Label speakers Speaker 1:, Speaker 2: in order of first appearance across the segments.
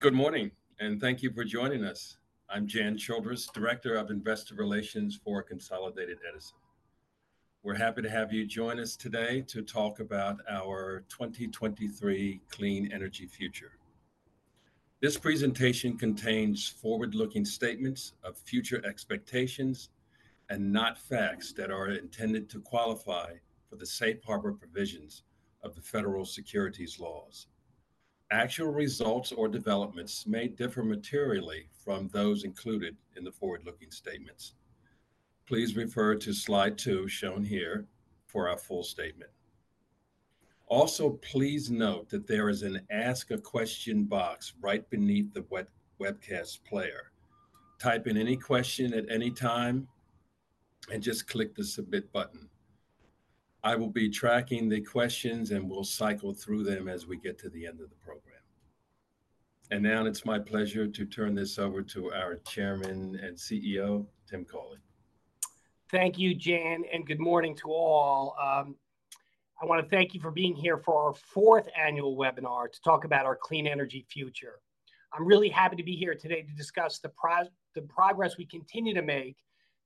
Speaker 1: Good morning, and thank you for joining us. I'm Jan Childress, Director of Investor Relations for Consolidated Edison. We're happy to have you join us today to talk about our 2023 clean energy future. This presentation contains forward-looking statements of future expectations and not facts that are intended to qualify for the safe harbor provisions of the federal securities laws. Actual results or developments may differ materially from those included in the forward-looking statements. Please refer to slide 2, shown here, for our full statement. Also, please note that there is an Ask a Question box right beneath the webcast player. Type in any question at any time, and just click the Submit button. I will be tracking the questions, and we'll cycle through them as we get to the end of the program. Now it's my pleasure to turn this over to our Chairman and CEO, Tim Cawley.
Speaker 2: Thank you, Jan, and good morning to all. I wanna thank you for being here for our fourth annual webinar to talk about our clean energy future. I'm really happy to be here today to discuss the progress we continue to make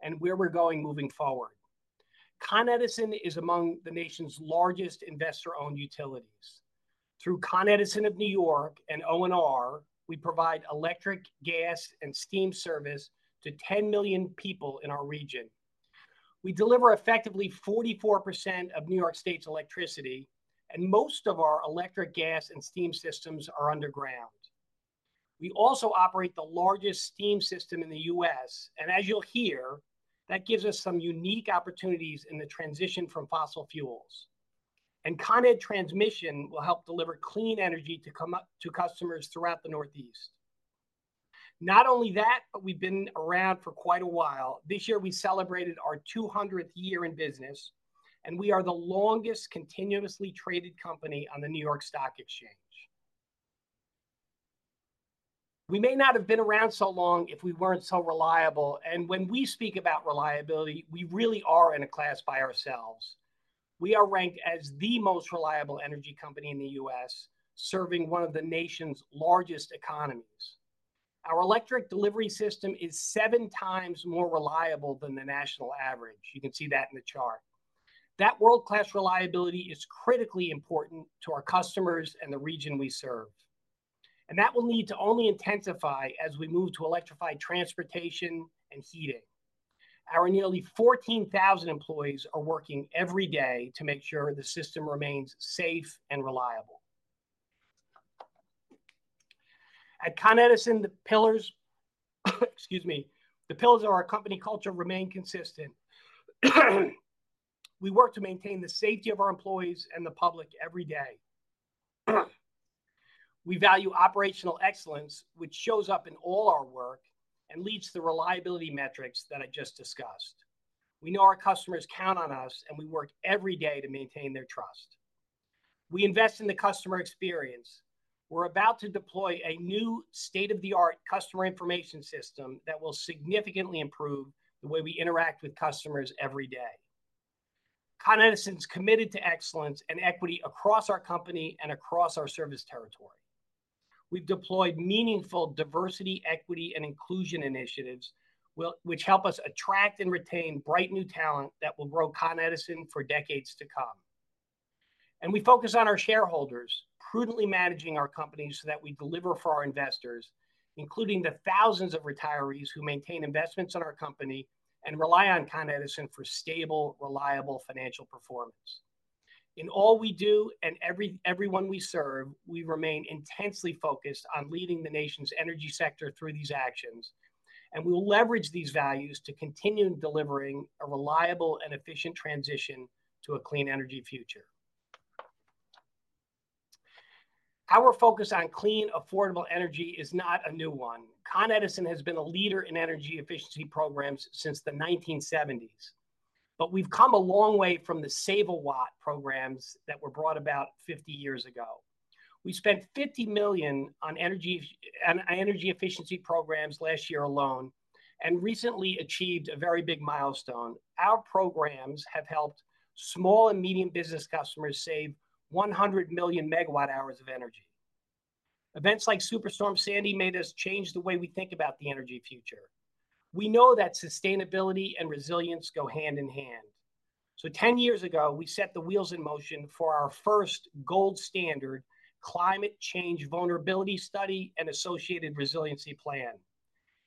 Speaker 2: and where we're going moving forward. Con Edison is among the nation's largest investor-owned utilities. Through Con Edison of New York and O&R, we provide electric, gas, and steam service to 10 million people in our region. We deliver effectively 44% of New York State's electricity, and most of our electric, gas, and steam systems are underground. We also operate the largest steam system in the U.S., and as you'll hear, that gives us some unique opportunities in the transition from fossil fuels. Con Edison Transmission will help deliver clean energy to customers throughout the Northeast. Not only that, but we've been around for quite a while. This year, we celebrated our 200th year in business, and we are the longest continuously traded company on the New York Stock Exchange. We may not have been around so long if we weren't so reliable, and when we speak about reliability, we really are in a class by ourselves. We are ranked as the most reliable energy company in the U.S., serving one of the nation's largest economies. Our electric delivery system is 7 times more reliable than the national average. You can see that in the chart. That world-class reliability is critically important to our customers and the region we serve, and that will need to only intensify as we move to electrified transportation and heating. Our nearly 14,000 employees are working every day to make sure the system remains safe and reliable. At Con Edison, the pillars, excuse me, the pillars of our company culture remain consistent. We work to maintain the safety of our employees and the public every day. We value operational excellence, which shows up in all our work and leads to the reliability metrics that I just discussed. We know our customers count on us, and we work every day to maintain their trust. We invest in the customer experience. We're about to deploy a new state-of-the-art customer information system that will significantly improve the way we interact with customers every day. Con Edison's committed to excellence and equity across our company and across our service territory. We've deployed meaningful diversity, equity, and inclusion initiatives, which help us attract and retain bright, new talent that will grow Con Edison for decades to come. We focus on our shareholders, prudently managing our company so that we deliver for our investors, including the thousands of retirees who maintain investments in our company and rely on Con Edison for stable, reliable financial performance. In all we do, and everyone we serve, we remain intensely focused on leading the nation's energy sector through these actions, and we will leverage these values to continue delivering a reliable and efficient transition to a clean energy future. Our focus on clean, affordable energy is not a new one. Con Edison has been a leader in energy efficiency programs since the 1970s, but we've come a long way from the Save-A-Watt programs that were brought about 50 years ago. We spent $50 million on energy efficiency programs last year alone and recently achieved a very big milestone. Our programs have helped small and medium business customers save 100 million MWh of energy. Events like Superstorm Sandy made us change the way we think about the energy future. We know that sustainability and resilience go hand in hand, so 10 years ago, we set the wheels in motion for our first gold standard Climate Change Vulnerability Study and associated resiliency plan.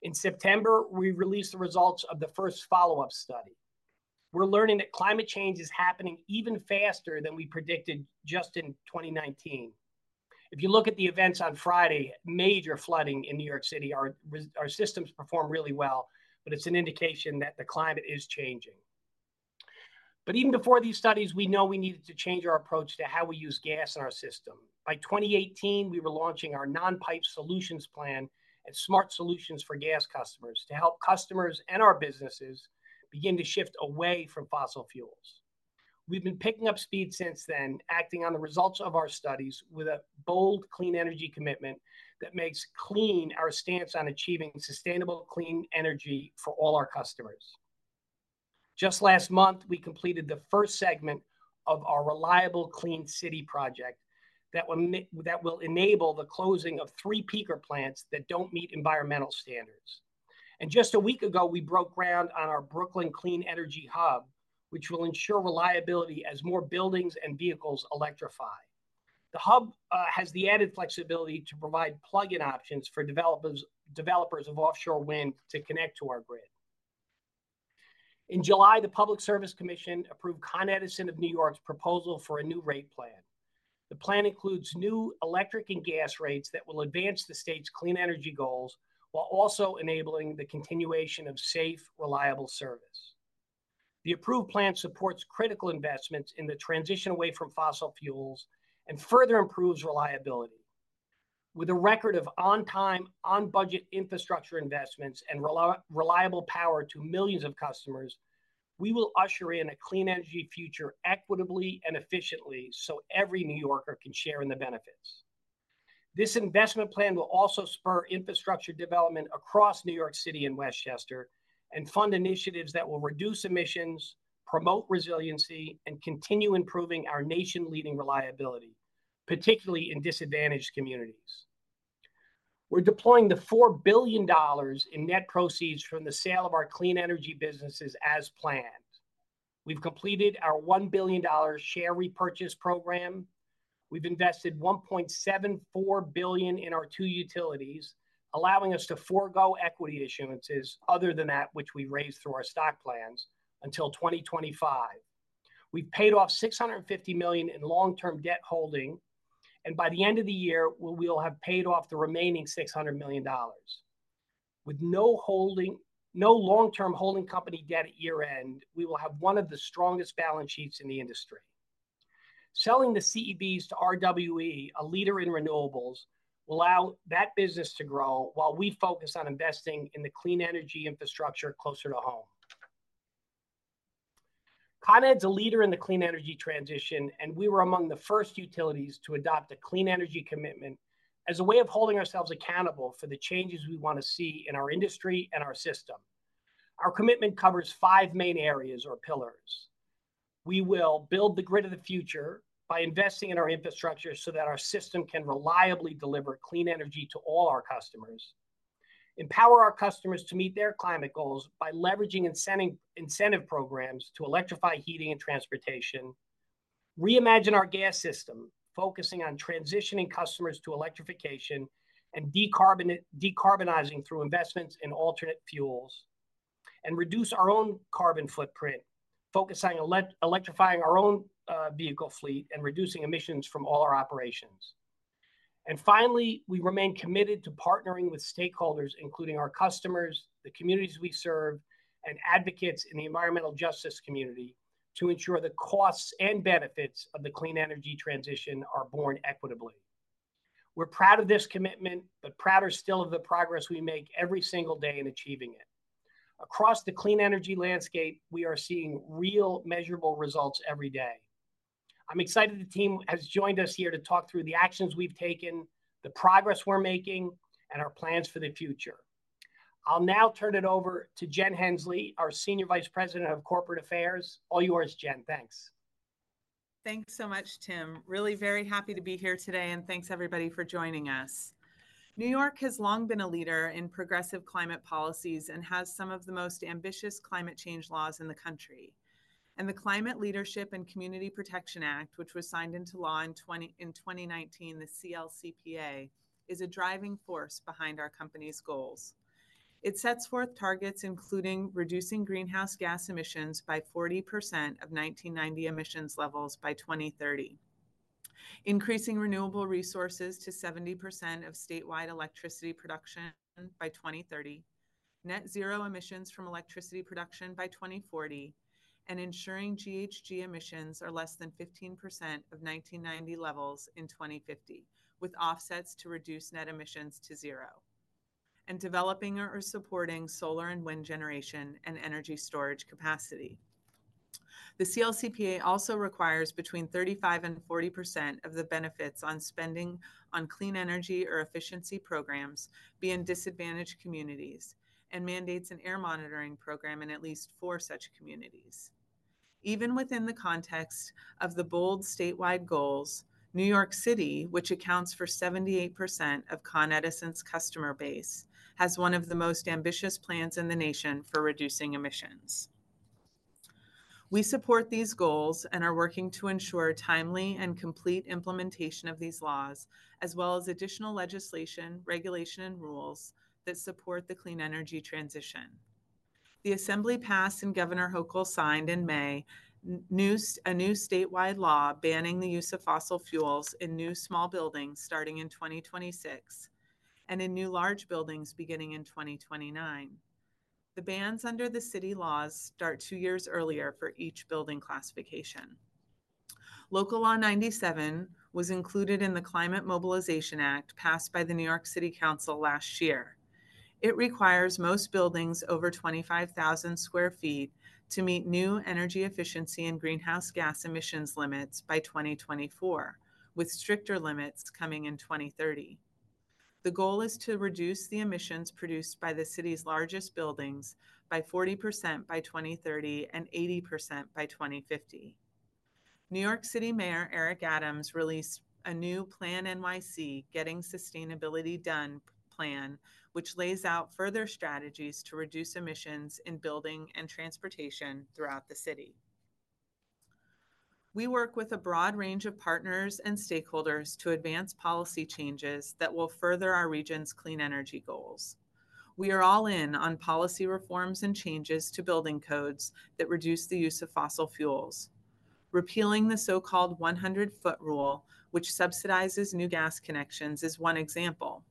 Speaker 2: In September, we released the results of the first follow-up study. We're learning that climate change is happening even faster than we predicted just in 2019. If you look at the events on Friday, major flooding in New York City, our systems performed really well, but it's an indication that the climate is changing. But even before these studies, we know we needed to change our approach to how we use gas in our system. By 2018, we were launching our non-pipe solutions plan and smart solutions for gas customers to help customers and our businesses begin to shift away from fossil fuels. We've been picking up speed since then, acting on the results of our studies with a bold, Clean Energy Commitment that makes clean our stance on achieving sustainable, clean energy for all our customers. Just last month, we completed the first segment of our Reliable Clean City project, that will enable the closing of three peaker plants that don't meet environmental standards. And just a week ago, we broke ground on our Brooklyn Clean Energy Hub, which will ensure reliability as more buildings and vehicles electrify. The hub has the added flexibility to provide plug-in options for developers of offshore wind to connect to our grid. In July, the Public Service Commission approved Con Edison of New York's proposal for a new rate plan. The plan includes new electric and gas rates that will advance the state's clean energy goals, while also enabling the continuation of safe, reliable service. The approved plan supports critical investments in the transition away from fossil fuels, and further improves reliability. With a record of on-time, on-budget infrastructure investments and reliable power to millions of customers, we will usher in a clean energy future equitably and efficiently, so every New Yorker can share in the benefits. This investment plan will also spur infrastructure development across New York City and Westchester, and fund initiatives that will reduce emissions, promote resiliency, and continue improving our nation-leading reliability, particularly in disadvantaged communities. We're deploying the $4 billion in net proceeds from the sale of our Clean Energy Businesses as planned. We've completed our $1 billion share repurchase program. We've invested $1.74 billion in our two utilities, allowing us to forgo equity issuances, other than that which we raised through our stock plans, until 2025. We've paid off $650 million in long-term debt holding, and by the end of the year, we'll have paid off the remaining $600 million. With no long-term holding company debt at year-end, we will have one of the strongest balance sheets in the industry. Selling the CEBs to RWE, a leader in renewables, will allow that business to grow while we focus on investing in the clean energy infrastructure closer to home. Con Ed's a leader in the clean energy transition, and we were among the first utilities to adopt a Clean Energy Commitment as a way of holding ourselves accountable for the changes we want to see in our industry and our system. Our commitment covers five main areas or pillars. We will build the grid of the future by investing in our infrastructure so that our system can reliably deliver clean energy to all our customers. Empower our customers to meet their climate goals by leveraging incentive programs to electrify heating and transportation. Reimagine our gas system, focusing on transitioning customers to electrification and decarbonizing through investments in alternate fuels. And reduce our own carbon footprint, focusing on electrifying our own vehicle fleet and reducing emissions from all our operations. Finally, we remain committed to partnering with stakeholders, including our customers, the communities we serve, and advocates in the environmental justice community, to ensure the costs and benefits of the clean energy transition are borne equitably. We're proud of this commitment, but prouder still of the progress we make every single day in achieving it. Across the clean energy landscape, we are seeing real, measurable results every day. I'm excited the team has joined us here to talk through the actions we've taken, the progress we're making, and our plans for the future. I'll now turn it over to Jen Hensley, our Senior Vice President of Corporate Affairs. All yours, Jen. Thanks.
Speaker 3: Thanks so much, Tim. Really very happy to be here today, and thanks everybody for joining us. New York has long been a leader in progressive climate policies and has some of the most ambitious climate change laws in the country. The Climate Leadership and Community Protection Act, which was signed into law in 2019, the CLCPA, is a driving force behind our company's goals. It sets forth targets including: reducing greenhouse gas emissions by 40% of 1990 emissions levels by 2030, increasing renewable resources to 70% of statewide electricity production by 2030, net zero emissions from electricity production by 2040, and ensuring GHG emissions are less than 15% of 1990 levels in 2050, with offsets to reduce net emissions to zero, and developing or supporting solar and wind generation and energy storage capacity. The CLCPA also requires between 35% and 40% of the benefits on spending on clean energy or efficiency programs be in disadvantaged communities, and mandates an air monitoring program in at least four such communities. Even within the context of the bold statewide goals, New York City, which accounts for 78% of Con Edison's customer base, has one of the most ambitious plans in the nation for reducing emissions. We support these goals and are working to ensure timely and complete implementation of these laws, as well as additional legislation, regulation, and rules that support the clean energy transition. The Assembly passed, and Governor Hochul signed in May a new statewide law banning the use of fossil fuels in new small buildings starting in 2026, and in new large buildings beginning in 2029. The bans under the city laws start 2 years earlier for each building classification. Local Law 97 was included in the Climate Mobilization Act, passed by the New York City Council last year. It requires most buildings over 25,000 sq ft to meet new energy efficiency and greenhouse gas emissions limits by 2024, with stricter limits coming in 2030. The goal is to reduce the emissions produced by the city's largest buildings by 40% by 2030, and 80% by 2050. New York City Mayor Eric Adams released a new PlaNYC: Getting Sustainability Done Plan, which lays out further strategies to reduce emissions in building and transportation throughout the city. We work with a broad range of partners and stakeholders to advance policy changes that will further our region's clean energy goals. We are all in on policy reforms and changes to building codes that reduce the use of fossil fuels. Repealing the so-called 100-foot rule, which subsidizes new gas connections, is one example.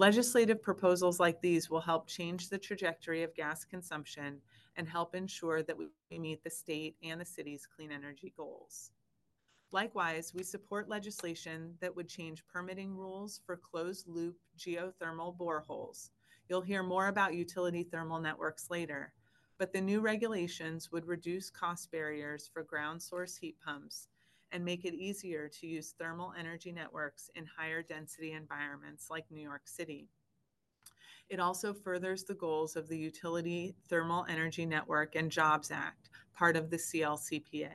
Speaker 3: Legislative proposals like these will help change the trajectory of gas consumption, and help ensure that we, we meet the state and the city's clean energy goals. Likewise, we support legislation that would change permitting rules for closed loop geothermal boreholes. You'll hear more about utility thermal networks later, but the new regulations would reduce cost barriers for ground source heat pumps, and make it easier to use thermal energy networks in higher density environments like New York City. It also furthers the goals of the Utility Thermal Energy Networks and Jobs Act, part of the CLCPA.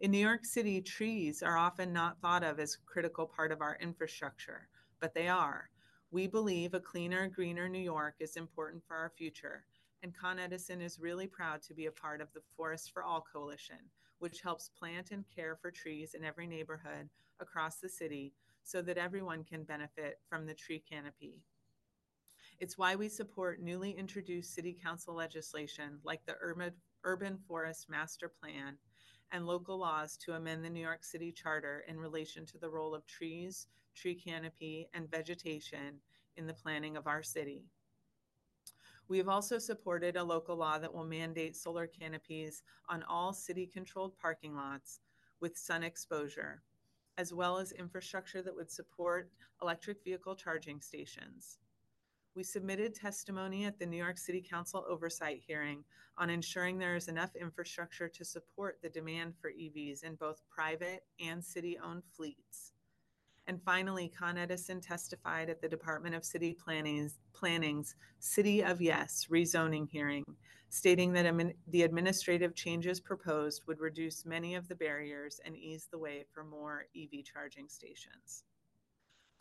Speaker 3: In New York City, trees are often not thought of as a critical part of our infrastructure, but they are. We believe a cleaner, greener New York is important for our future, and Con Edison is really proud to be a part of the Forest for All coalition, which helps plant and care for trees in every neighborhood across the city, so that everyone can benefit from the tree canopy. It's why we support newly introduced city council legislation, like the Urban Forest Master Plan, and local laws to amend the New York City Charter in relation to the role of trees, tree canopy, and vegetation in the planning of our city. We have also supported a local law that will mandate solar canopies on all city-controlled parking lots with sun exposure, as well as infrastructure that would support electric vehicle charging stations. We submitted testimony at the New York City Council oversight hearing on ensuring there is enough infrastructure to support the demand for EVs in both private and city-owned fleets. And finally, Con Edison testified at the Department of City Planning's City of Yes rezoning hearing, stating that the administrative changes proposed would reduce many of the barriers and ease the way for more EV charging stations.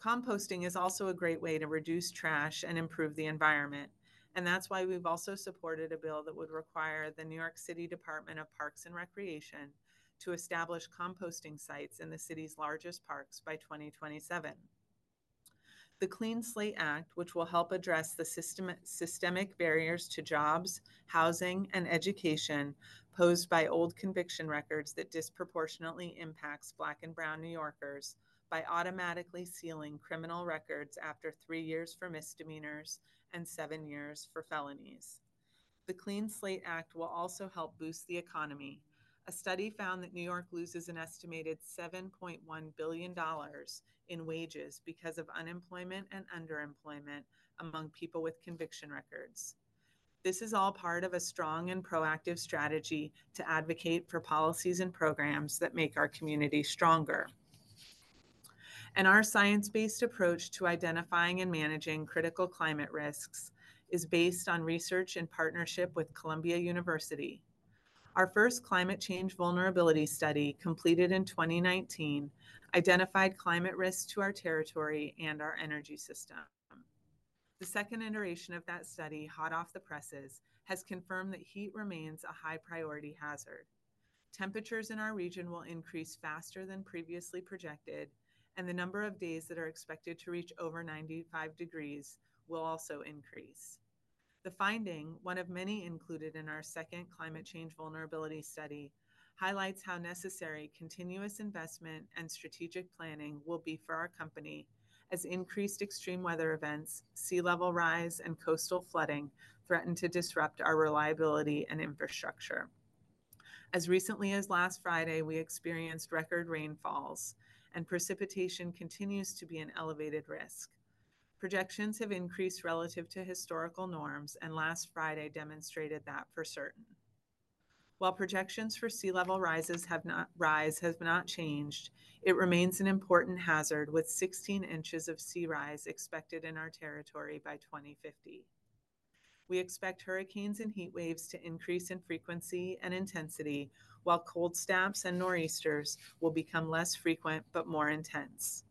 Speaker 3: Composting is also a great way to reduce trash and improve the environment, and that's why we've also supported a bill that would require the New York City Department of Parks and Recreation to establish composting sites in the city's largest parks by 2027. The Clean Slate Act, which will help address the systemic barriers to jobs, housing, and education posed by old conviction records that disproportionately impacts Black and Brown New Yorkers, by automatically sealing criminal records after three years for misdemeanors and seven years for felonies. The Clean Slate Act will also help boost the economy. A study found that New York loses an estimated $7.1 billion in wages because of unemployment and underemployment among people with conviction records. This is all part of a strong and proactive strategy to advocate for policies and programs that make our community stronger. Our science-based approach to identifying and managing critical climate risks is based on research and partnership with Columbia University. Our first Climate Change Vulnerability Study, completed in 2019, identified climate risk to our territory and our energy system. The second iteration of that study, hot off the presses, has confirmed that heat remains a high priority hazard. Temperatures in our region will increase faster than previously projected, and the number of days that are expected to reach over 95 degrees will also increase. The finding, one of many included in our second Climate Change Vulnerability Study, highlights how necessary continuous investment and strategic planning will be for our company, as increased extreme weather events, sea level rise, and coastal flooding threaten to disrupt our reliability and infrastructure. As recently as last Friday, we experienced record rainfalls, and precipitation continues to be an elevated risk. Projections have increased relative to historical norms, and last Friday demonstrated that for certain. While projections for sea level rise has not changed, it remains an important hazard, with 16 inches of sea rise expected in our territory by 2050. We expect hurricanes and heat waves to increase in frequency and intensity, while cold snaps and nor'easters will become less frequent but more intense.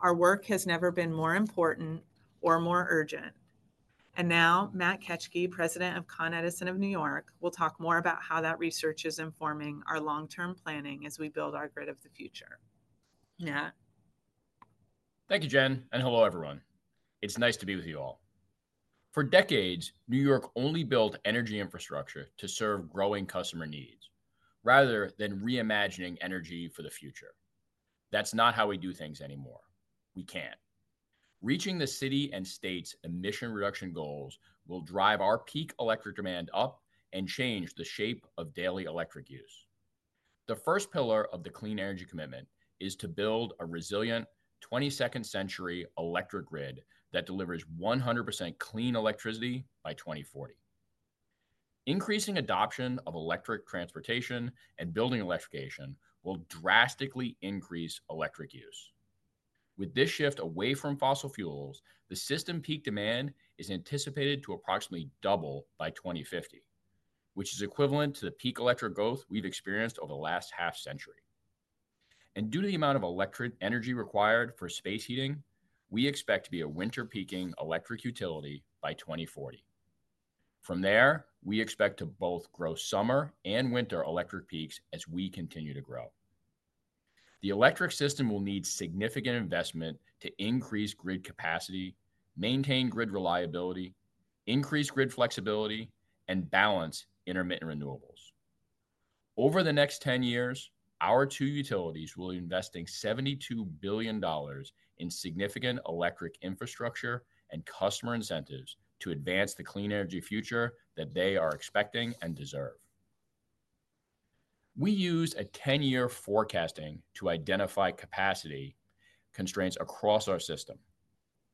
Speaker 3: Our work has never been more important or more urgent. And now, Matt Ketschke, President of Con Edison of New York, will talk more about how that research is informing our long-term planning as we build our grid of the future. Matt?
Speaker 4: Thank you, Jen, and hello, everyone. It's nice to be with you all. For decades, New York only built energy infrastructure to serve growing customer needs, rather than reimagining energy for the future. That's not how we do things anymore. We can't. Reaching the city and state's emission reduction goals will drive our peak electric demand up and change the shape of daily electric use. The first pillar of the Clean Energy Commitment is to build a resilient 22nd-century electric grid that delivers 100% clean electricity by 2040.... Increasing adoption of electric transportation and building electrification will drastically increase electric use. With this shift away from fossil fuels, the system peak demand is anticipated to approximately double by 2050, which is equivalent to the peak electric growth we've experienced over the last half century. Due to the amount of electric energy required for space heating, we expect to be a winter peaking electric utility by 2040. From there, we expect to both grow summer and winter electric peaks as we continue to grow. The electric system will need significant investment to increase grid capacity, maintain grid reliability, increase grid flexibility, and balance intermittent renewables. Over the next 10 years, our two utilities will be investing $72 billion in significant electric infrastructure and customer incentives to advance the clean energy future that they are expecting and deserve. We use a 10-year forecasting to identify capacity constraints across our system.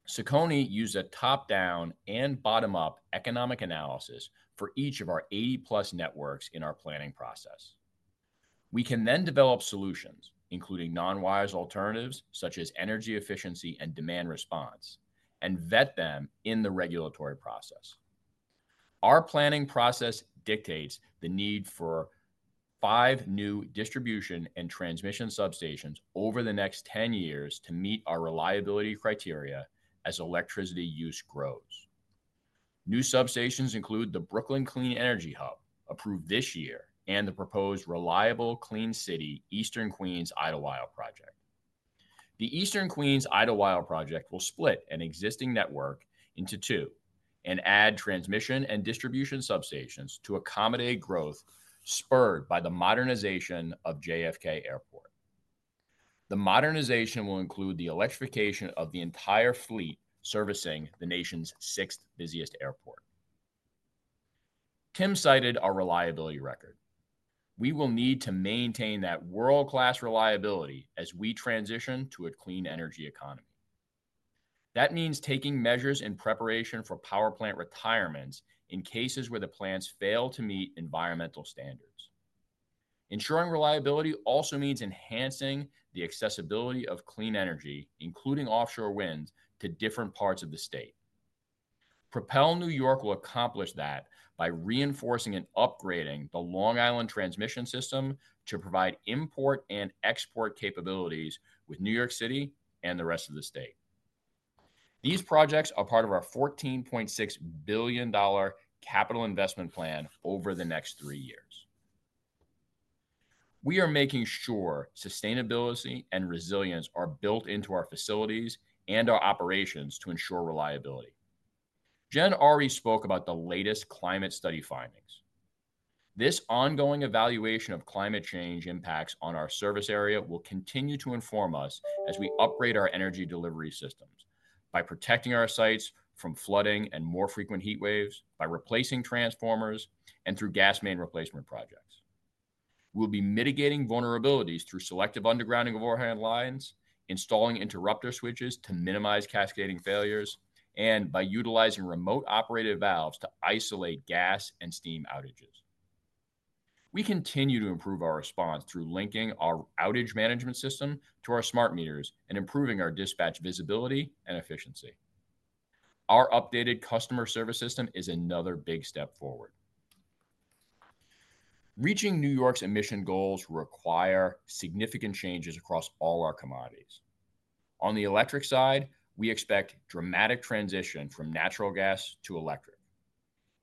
Speaker 4: CECONY uses a top-down and bottom-up economic analysis for each of our 80-plus networks in our planning process. We can then develop solutions, including non-pipe alternatives, such as energy efficiency and demand response, and vet them in the regulatory process. Our planning process dictates the need for five new distribution and transmission substations over the next 10 years to meet our reliability criteria as electricity use grows. New substations include the Brooklyn Clean Energy Hub, approved this year, and the proposed Reliable Clean City, Eastern Queens Idlewild Project. The Eastern Queens Idlewild Project will split an existing network into two and add transmission and distribution substations to accommodate growth, spurred by the modernization of JFK Airport. The modernization will include the electrification of the entire fleet servicing the nation's sixth busiest airport. Tim cited our reliability record. We will need to maintain that world-class reliability as we transition to a clean energy economy. That means taking measures in preparation for power plant retirements in cases where the plants fail to meet environmental standards. Ensuring reliability also means enhancing the accessibility of clean energy, including offshore winds, to different parts of the state. Propel New York will accomplish that by reinforcing and upgrading the Long Island transmission system to provide import and export capabilities with New York City and the rest of the state. These projects are part of our $14.6 billion capital investment plan over the next three years. We are making sure sustainability and resilience are built into our facilities and our operations to ensure reliability. Jen Hensley spoke about the latest climate study findings. This ongoing evaluation of climate change impacts on our service area will continue to inform us as we upgrade our energy delivery systems, by protecting our sites from flooding and more frequent heat waves, by replacing transformers, and through gas main replacement projects. We'll be mitigating vulnerabilities through selective undergrounding of overhead lines, installing interrupter switches to minimize cascading failures, and by utilizing remote operated valves to isolate gas and steam outages. We continue to improve our response through linking our outage management system to our smart meters and improving our dispatch visibility and efficiency. Our updated customer service system is another big step forward. Reaching New York's emission goals require significant changes across all our commodities. On the electric side, we expect dramatic transition from natural gas to electric.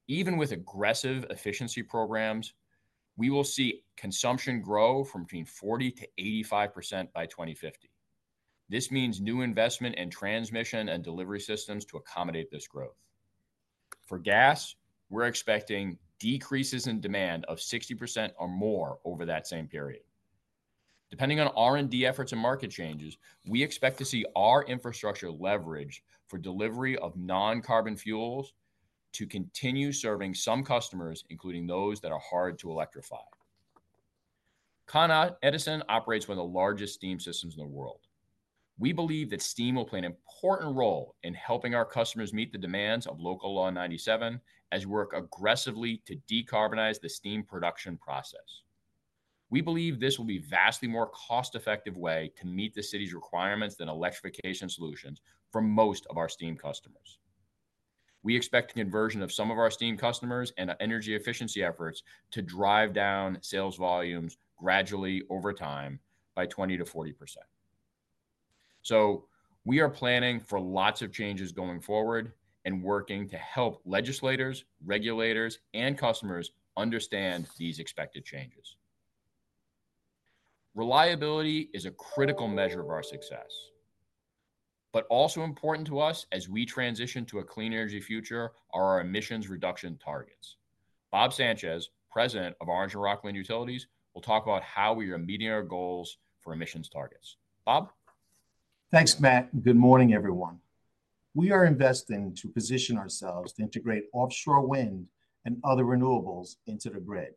Speaker 4: Even with aggressive efficiency programs, we will see consumption grow from between 40%-85% by 2050. This means new investment in transmission and delivery systems to accommodate this growth. For gas, we're expecting decreases in demand of 60% or more over that same period. Depending on R&D efforts and market changes, we expect to see our infrastructure leverage for delivery of non-carbon fuels to continue serving some customers, including those that are hard to electrify. Con Edison operates one of the largest steam systems in the world. We believe that steam will play an important role in helping our customers meet the demands of Local Law 97, as we work aggressively to decarbonize the steam production process. We believe this will be a vastly more cost-effective way to meet the city's requirements than electrification solutions for most of our steam customers. We expect the conversion of some of our steam customers and our energy efficiency efforts to drive down sales volumes gradually over time by 20%-40%. We are planning for lots of changes going forward and working to help legislators, regulators, and customers understand these expected changes. Reliability is a critical measure of our success. But also important to us as we transition to a clean energy future, are our emissions reduction targets. Rob Sanchez, President of Orange and Rockland Utilities, will talk about how we are meeting our goals for emissions targets. Rob?
Speaker 5: Thanks, Matt. Good morning, everyone. We are investing to position ourselves to integrate offshore wind and other renewables into the grid.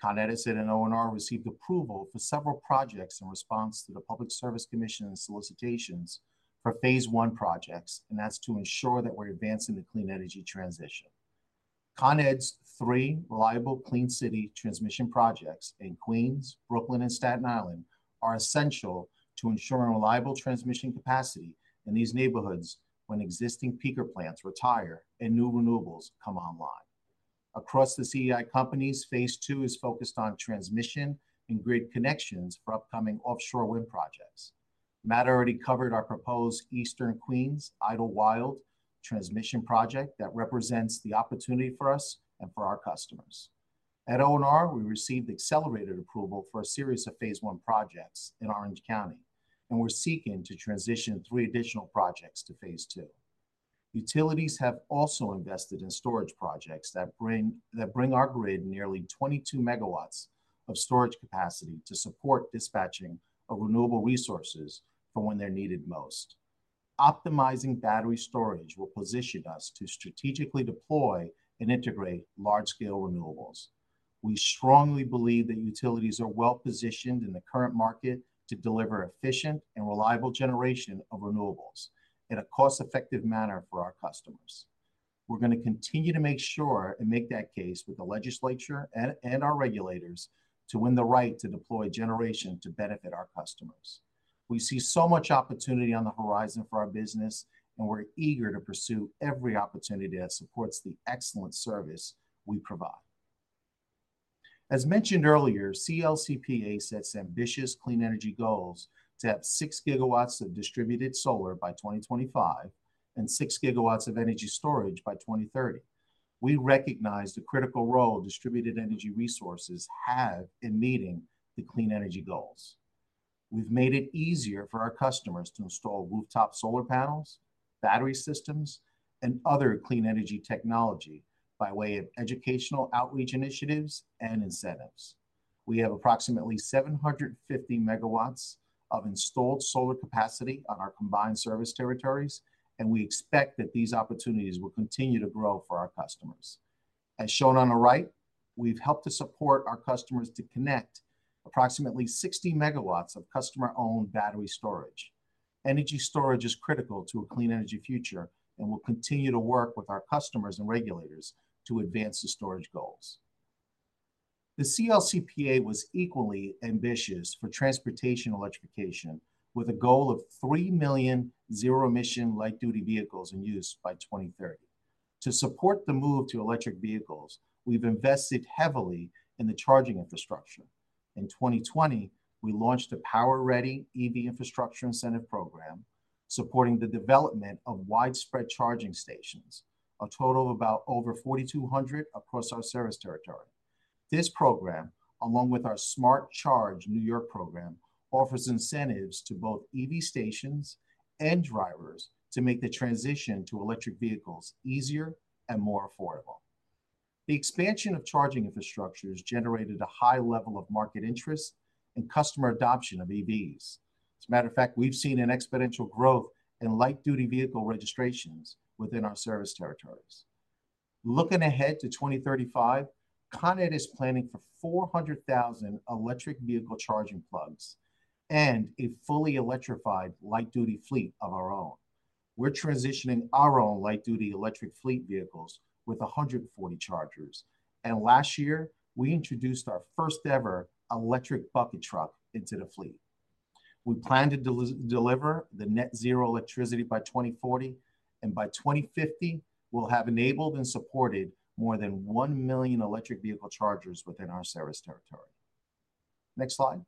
Speaker 5: Con Edison and O&R received approval for several projects in response to the Public Service Commission's solicitations for phase one projects, and that's to ensure that we're advancing the clean energy transition. Con Ed's three Reliable Clean City transmission projects in Queens, Brooklyn, and Staten Island are essential to ensuring reliable transmission capacity in these neighborhoods when existing peaker plants retire and new renewables come online. Across the CEI companies, phase two is focused on transmission and grid connections for upcoming offshore wind projects. Matt already covered our proposed Eastern Queens Idlewild transmission project that represents the opportunity for us and for our customers. At O&R, we received accelerated approval for a series of phase one projects in Orange County, and we're seeking to transition 3 additional projects to phase two. Utilities have also invested in storage projects that bring our grid nearly 22 MW of storage capacity to support dispatching of renewable resources for when they're needed most. Optimizing battery storage will position us to strategically deploy and integrate large-scale renewables. We strongly believe that utilities are well-positioned in the current market to deliver efficient and reliable generation of renewables in a cost-effective manner for our customers. We're going to continue to make sure and make that case with the legislature and our regulators to win the right to deploy generation to benefit our customers. We see so much opportunity on the horizon for our business, and we're eager to pursue every opportunity that supports the excellent service we provide. As mentioned earlier, CLCPA sets ambitious clean energy goals to have 6 GW of distributed solar by 2025 and 6 GW of energy storage by 2030. We recognize the critical role distributed energy resources have in meeting the clean energy goals. We've made it easier for our customers to install rooftop solar panels, battery systems, and other clean energy technology by way of educational outreach initiatives and incentives. We have approximately 750 MW of installed solar capacity on our combined service territories, and we expect that these opportunities will continue to grow for our customers. As shown on the right, we've helped to support our customers to connect approximately 60 MW of customer-owned battery storage. Energy storage is critical to a clean energy future and will continue to work with our customers and regulators to advance the storage goals. The CLCPA was equally ambitious for transportation electrification, with a goal of 3 million zero-emission light-duty vehicles in use by 2030. To support the move to electric vehicles, we've invested heavily in the charging infrastructure. In 2020, we launched a PowerReady EV infrastructure incentive program, supporting the development of widespread charging stations, a total of about over 4,200 across our service territory. This program, along with our SmartCharge New York program, offers incentives to both EV stations and drivers to make the transition to electric vehicles easier and more affordable. The expansion of charging infrastructure has generated a high level of market interest and customer adoption of EVs. As a matter of fact, we've seen an exponential growth in light-duty vehicle registrations within our service territories. Looking ahead to 2035, Con Ed is planning for 400,000 electric vehicle charging plugs and a fully electrified light-duty fleet of our own. We're transitioning our own light-duty electric fleet vehicles with 140 chargers, and last year, we introduced our first ever electric bucket truck into the fleet. We plan to deliver net zero electricity by 2040, and by 2050, we'll have enabled and supported more than 1 million electric vehicle chargers within our service territory. Next slide.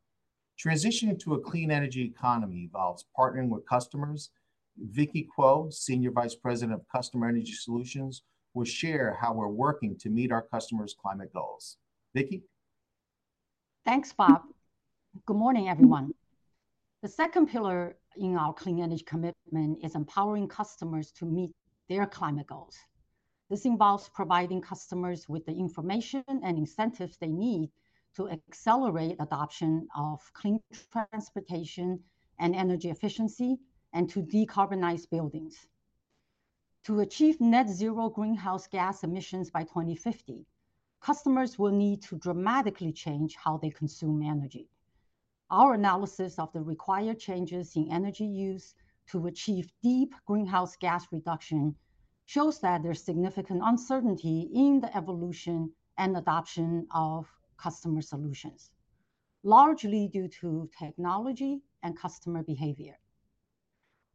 Speaker 5: Transitioning to a clean energy economy involves partnering with customers. Vicki Kuo, Senior Vice President of Customer Energy Solutions, will share how we're working to meet our customers' climate goals. Vicki?
Speaker 6: Thanks, Rob. Good morning, everyone. The second pillar in our Clean Energy Commitment is empowering customers to meet their climate goals. This involves providing customers with the information and incentives they need to accelerate adoption of clean transportation and energy efficiency and to decarbonize buildings. To achieve net zero greenhouse gas emissions by 2050, customers will need to dramatically change how they consume energy. Our analysis of the required changes in energy use to achieve deep greenhouse gas reduction shows that there's significant uncertainty in the evolution and adoption of customer solutions, largely due to technology and customer behavior.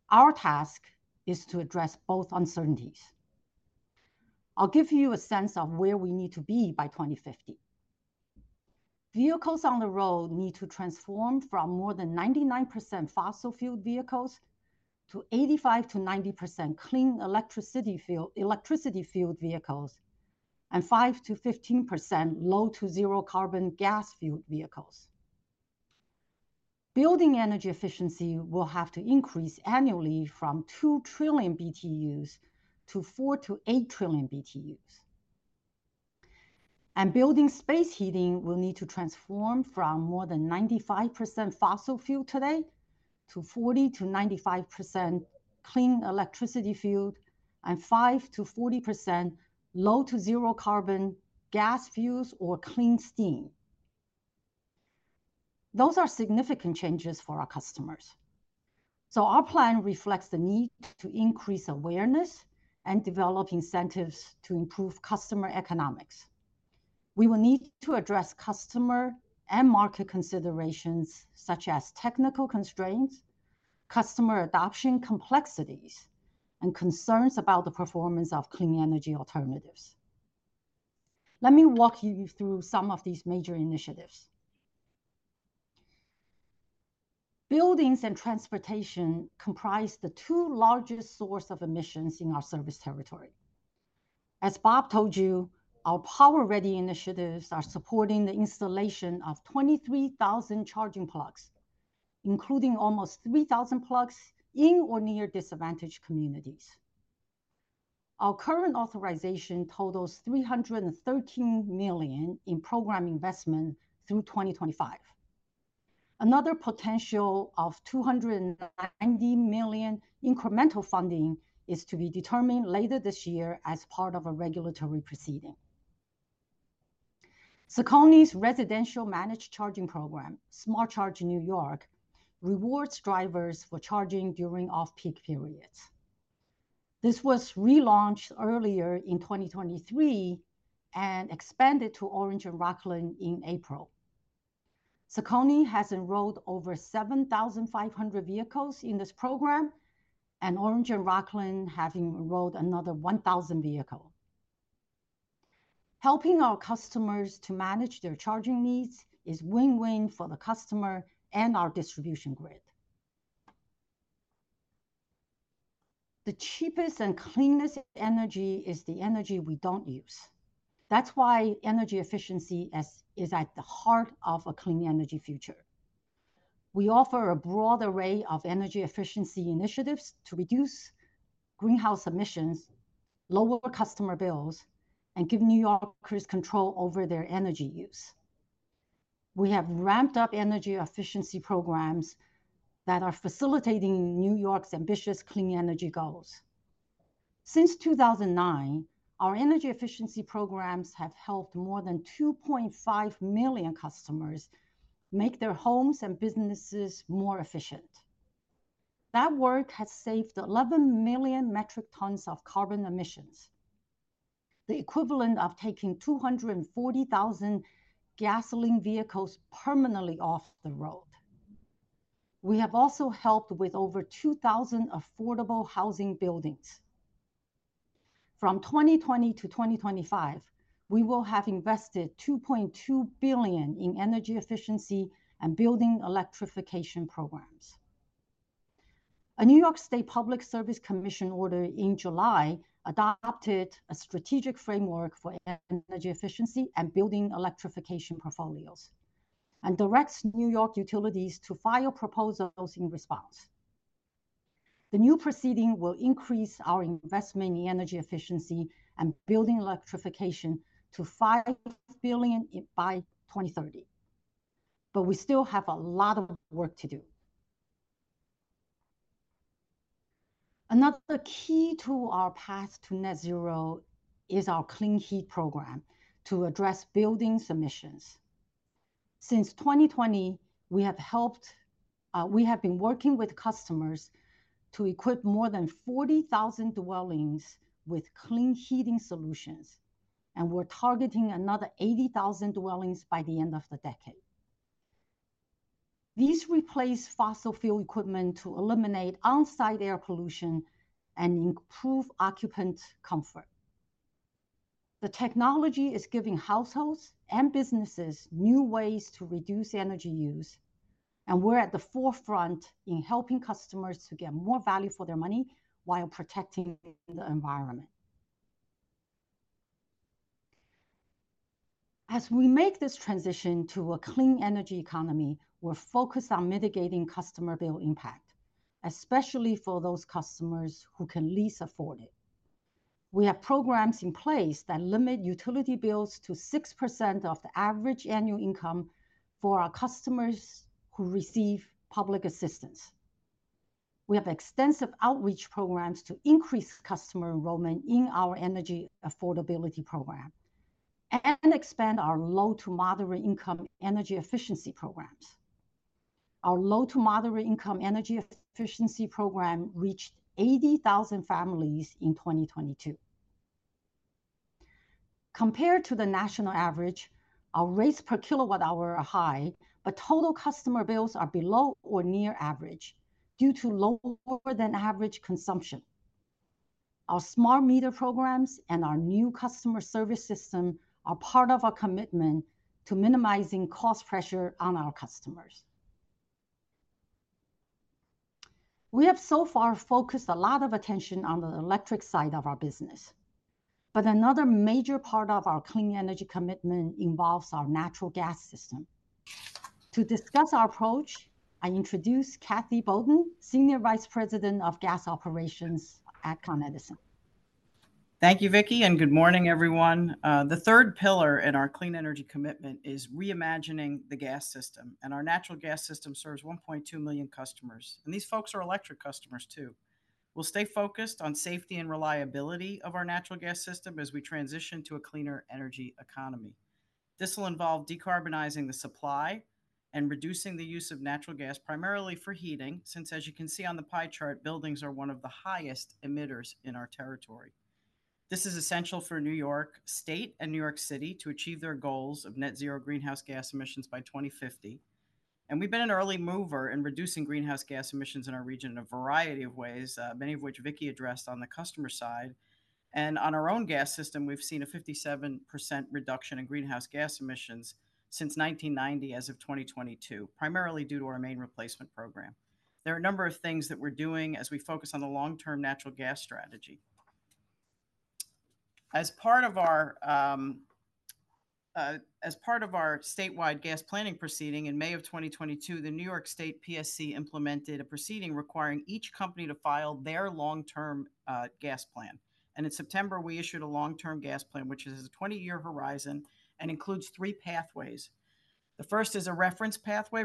Speaker 6: Our task is to address both uncertainties. I'll give you a sense of where we need to be by 2050. Vehicles on the road need to transform from more than 99% fossil fuel vehicles to 85%-90% clean electricity-fuel, electricity-fueled vehicles and 5%-15% low to zero carbon gas-fueled vehicles. Building energy efficiency will have to increase annually from 2 trillion BTUs to 4-8 trillion BTUs. And building space heating will need to transform from more than 95% fossil fuel today to 40%-95% clean electricity fuel, and 5%-40% low to zero carbon gas fuels or clean steam. Those are significant changes for our customers. So our plan reflects the need to increase awareness and develop incentives to improve customer economics. We will need to address customer and market considerations, such as technical constraints, customer adoption complexities, and concerns about the performance of clean energy alternatives. Let me walk you through some of these major initiatives. Buildings and transportation comprise the two largest source of emissions in our service territory. As Rob told you, our PowerReady initiatives are supporting the installation of 23,000 charging plugs, including almost 3,000 plugs in or near disadvantaged communities. Our current authorization totals $313 million in program investment through 2025. Another potential of $290 million incremental funding is to be determined later this year as part of a regulatory proceeding. Con Edison's residential managed charging program, SmartCharge New York, rewards drivers for charging during off-peak periods. This was relaunched earlier in 2023 and expanded to Orange and Rockland in April. Con Edison has enrolled over 7,500 vehicles in this program, and Orange and Rockland having enrolled another 1,000 vehicle. Helping our customers to manage their charging needs is win-win for the customer and our distribution grid. The cheapest and cleanest energy is the energy we don't use. That's why energy efficiency is at the heart of a clean energy future. We offer a broad array of energy efficiency initiatives to reduce greenhouse emissions, lower customer bills, and give New Yorkers control over their energy use. We have ramped up energy efficiency programs that are facilitating New York's ambitious clean energy goals. Since 2009, our energy efficiency programs have helped more than 2.5 million customers make their homes and businesses more efficient. That work has saved 11 million metric tons of carbon emissions, the equivalent of taking 240,000 gasoline vehicles permanently off the road. We have also helped with over 2,000 affordable housing buildings. From 2020-2025, we will have invested $2.2 billion in energy efficiency and building electrification programs. A New York State Public Service Commission order in July adopted a strategic framework for energy efficiency and building electrification portfolios, and directs New York utilities to file proposals in response. The new proceeding will increase our investment in energy efficiency and building electrification to $5 billion by 2030, but we still have a lot of work to do. Another key to our path to Net Zero is our Clean Heat program to address buildings emissions. Since 2020, we have helped, we have been working with customers to equip more than 40,000 dwellings with clean heating solutions, and we're targeting another 80,000 dwellings by the end of the decade. These replace fossil fuel equipment to eliminate on-site air pollution and improve occupant comfort. The technology is giving households and businesses new ways to reduce energy use, and we're at the forefront in helping customers to get more value for their money while protecting the environment. As we make this transition to a clean energy economy, we're focused on mitigating customer bill impact, especially for those customers who can least afford it. We have programs in place that limit utility bills to 6% of the average annual income for our customers who receive public assistance. We have extensive outreach programs to increase customer enrollment in our Energy Affordability Program and expand our low to moderate income energy efficiency programs. Our low to moderate income energy efficiency program reached 80,000 families in 2022. Compared to the national average, our rates per kilowatt hour are high, but total customer bills are below or near average due to lower than average consumption. Our smart meter programs and our new customer service system are part of our commitment to minimizing cost pressure on our customers. We have so far focused a lot of attention on the electric side of our business, but another major part of our Clean Energy Commitment involves our natural gas system. To discuss our approach, I introduce Kathy Boden, Senior Vice President of Gas Operations at Con Edison....
Speaker 7: Thank you, Vicki, and good morning, everyone. The third pillar in our Clean Energy Commitment is reimagining the gas system, and our natural gas system serves 1.2 million customers, and these folks are electric customers, too. We'll stay focused on safety and reliability of our natural gas system as we transition to a cleaner energy economy. This will involve decarbonizing the supply and reducing the use of natural gas, primarily for heating, since, as you can see on the pie chart, buildings are one of the highest emitters in our territory. This is essential for New York State and New York City to achieve their goals of Net Zero greenhouse gas emissions by 2050. We've been an early mover in reducing greenhouse gas emissions in our region in a variety of ways, many of which Vicki addressed on the customer side. On our own gas system, we've seen a 57% reduction in greenhouse gas emissions since 1990, as of 2022, primarily due to our main replacement program. There are a number of things that we're doing as we focus on the long-term natural gas strategy. As part of our statewide gas planning proceeding, in May of 2022, the New York State PSC implemented a proceeding requiring each company to file their long-term gas plan. In September, we issued a long-term gas plan, which is a 20-year horizon and includes three pathways. The first is a reference pathway,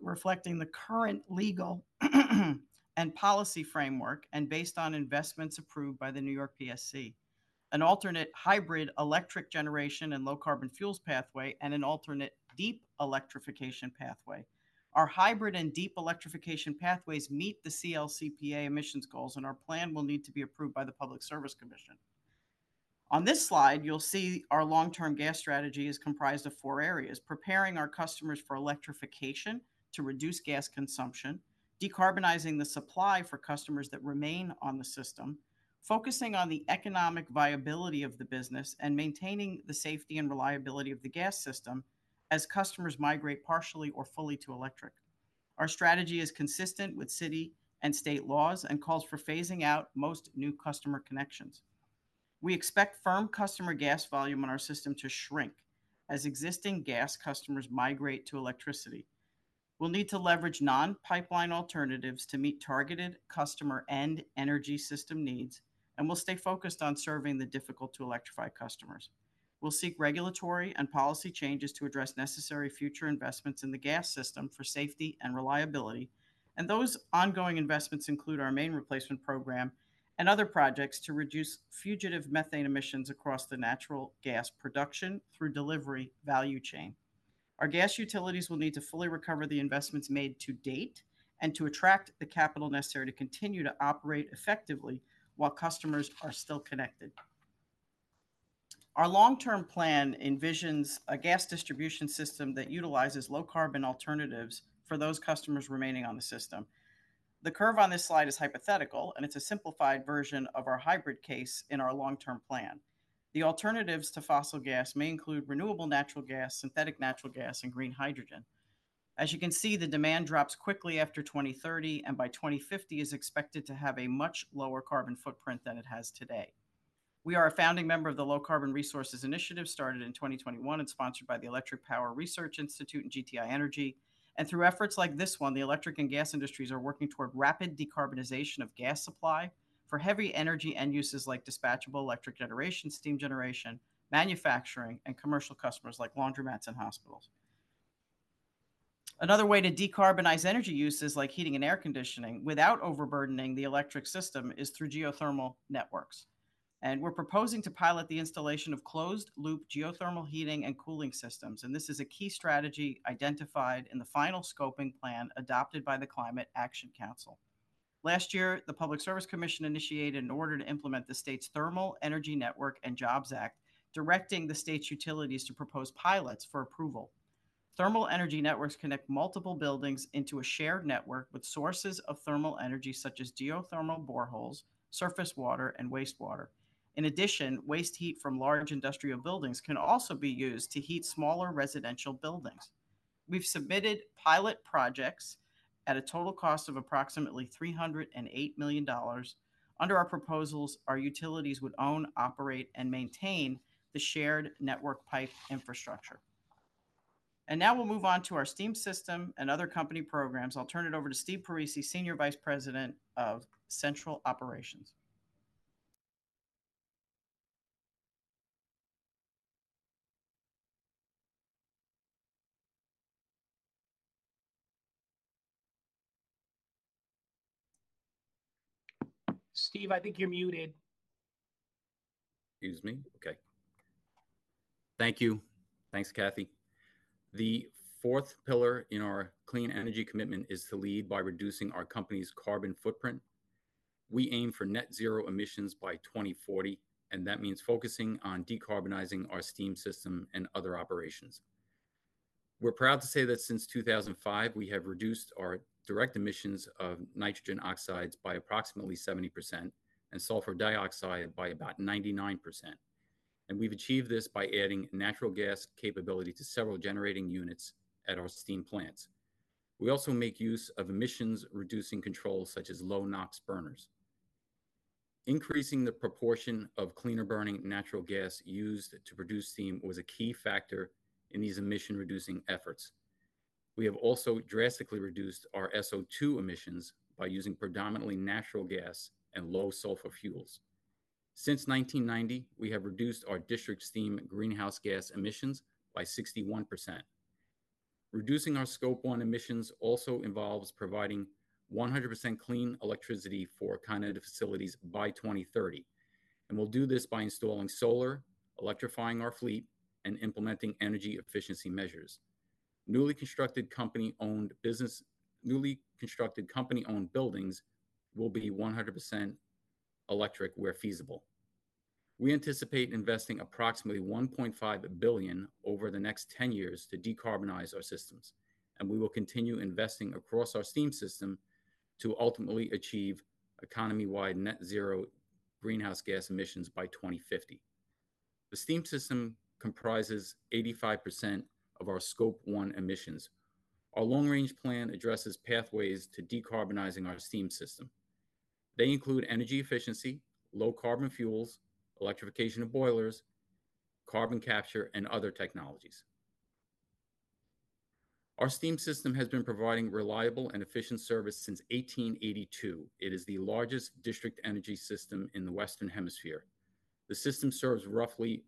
Speaker 7: reflecting the current legal and policy framework, and based on investments approved by the New York PSC, an alternate hybrid electric generation and low carbon fuels pathway, and an alternate deep electrification pathway. Our hybrid and deep electrification pathways meet the CLCPA emissions goals, and our plan will need to be approved by the Public Service Commission. On this slide, you'll see our long-term gas strategy is comprised of four areas: preparing our customers for electrification to reduce gas consumption, decarbonizing the supply for customers that remain on the system, focusing on the economic viability of the business, and maintaining the safety and reliability of the gas system as customers migrate partially or fully to electric. Our strategy is consistent with city and state laws and calls for phasing out most new customer connections. We expect firm customer gas volume in our system to shrink as existing gas customers migrate to electricity. We'll need to leverage non-pipeline alternatives to meet targeted customer and energy system needs, and we'll stay focused on serving the difficult to electrify customers. We'll seek regulatory and policy changes to address necessary future investments in the gas system for safety and reliability. Those ongoing investments include our main replacement program and other projects to reduce fugitive methane emissions across the natural gas production through delivery value chain. Our gas utilities will need to fully recover the investments made to date and to attract the capital necessary to continue to operate effectively while customers are still connected. Our long-term plan envisions a gas distribution system that utilizes low-carbon alternatives for those customers remaining on the system. The curve on this slide is hypothetical, and it's a simplified version of our hybrid case in our long-term plan. The alternatives to fossil gas may include renewable natural gas, synthetic natural gas, and green hydrogen. As you can see, the demand drops quickly after 2030, and by 2050, is expected to have a much lower carbon footprint than it has today. We are a founding member of the Low-Carbon Resources Initiative, started in 2021 and sponsored by the Electric Power Research Institute and GTI Energy. Through efforts like this one, the electric and gas industries are working toward rapid decarbonization of gas supply for heavy energy end uses like dispatchable electric generation, steam generation, manufacturing, and commercial customers like laundromats and hospitals. Another way to decarbonize energy uses, like heating and air conditioning, without overburdening the electric system, is through geothermal networks. We're proposing to pilot the installation of closed loop geothermal heating and cooling systems, and this is a key strategy identified in the final scoping plan adopted by the Climate Action Council. Last year, the Public Service Commission initiated an order to implement the state's Thermal Energy Network and Jobs Act, directing the state's utilities to propose pilots for approval. Thermal energy networks connect multiple buildings into a shared network with sources of thermal energy, such as geothermal boreholes, surface water, and wastewater. In addition, waste heat from large industrial buildings can also be used to heat smaller residential buildings. We've submitted pilot projects at a total cost of approximately $308 million. Under our proposals, our utilities would own, operate, and maintain the shared network pipe infrastructure. Now we'll move on to our steam system and other company programs. I'll turn it over to Steve Parisi, Senior Vice President of Central Operations. Steve, I think you're muted.
Speaker 8: Excuse me. Okay. Thank you. Thanks, Kathy. The fourth pillar in our Clean Energy Commitment is to lead by reducing our company's carbon footprint. We aim for net zero emissions by 2040, and that means focusing on decarbonizing our steam system and other operations. We're proud to say that since 2005, we have reduced our direct emissions of nitrogen oxides by approximately 70% and sulfur dioxide by about 99%, and we've achieved this by adding natural gas capability to several generating units at our steam plants. We also make use of emissions reducing controls, such as low NOx burners. Increasing the proportion of cleaner burning natural gas used to produce steam was a key factor in these emission reducing efforts.... We have also drastically reduced our SO2 emissions by using predominantly natural gas and low sulfur fuels. Since 1990, we have reduced our district steam greenhouse gas emissions by 61%. Reducing our Scope 1 emissions also involves providing 100% clean electricity for Con Ed facilities by 2030. We'll do this by installing solar, electrifying our fleet, and implementing energy efficiency measures. Newly constructed company-owned business, newly constructed company-owned buildings will be 100% electric where feasible. We anticipate investing approximately $1.5 billion over the next 10 years to decarbonize our systems, and we will continue investing across our steam system to ultimately achieve economy-wide net zero greenhouse gas emissions by 2050. The steam system comprises 85% of our Scope 1 emissions. Our long-range plan addresses pathways to decarbonizing our steam system. They include energy efficiency, low carbon fuels, electrification of boilers, carbon capture, and other technologies. Our steam system has been providing reliable and efficient service since 1882. It is the largest district energy system in the Western Hemisphere. The system serves roughly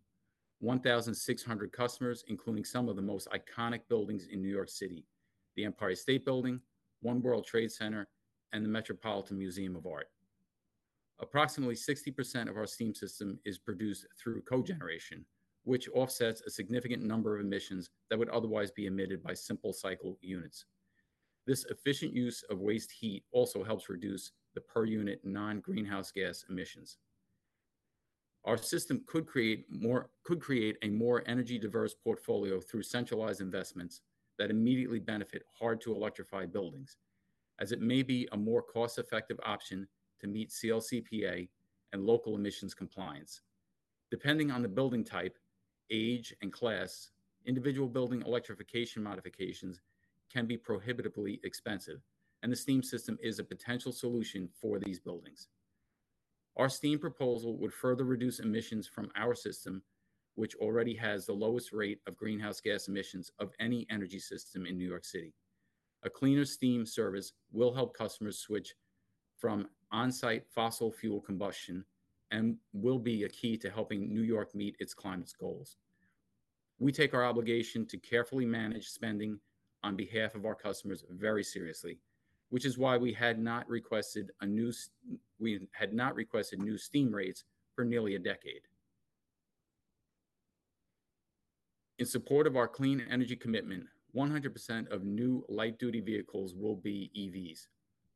Speaker 8: 1,600 customers, including some of the most iconic buildings in New York City: the Empire State Building, One World Trade Center, and the Metropolitan Museum of Art. Approximately 60% of our steam system is produced through cogeneration, which offsets a significant number of emissions that would otherwise be emitted by simple cycle units. This efficient use of waste heat also helps reduce the per unit non-greenhouse gas emissions. Our system could create a more energy diverse portfolio through centralized investments that immediately benefit hard to electrify buildings, as it may be a more cost-effective option to meet CLCPA and local emissions compliance. Depending on the building type, age, and class, individual building electrification modifications can be prohibitively expensive, and the steam system is a potential solution for these buildings. Our steam proposal would further reduce emissions from our system, which already has the lowest rate of greenhouse gas emissions of any energy system in New York City. A cleaner steam service will help customers switch from on-site fossil fuel combustion and will be a key to helping New York meet its climate goals. We take our obligation to carefully manage spending on behalf of our customers very seriously, which is why we had not requested new steam rates for nearly a decade. In support of our Clean Energy Commitment, 100% of new light-duty vehicles will be EVs.